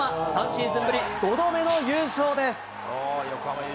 ３シーズンぶり５度目の優勝です。